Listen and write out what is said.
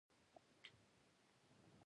آیا ایران د خطاطۍ هنر ژوندی ساتلی نه دی؟